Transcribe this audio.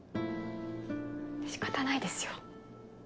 仕方ないですよ。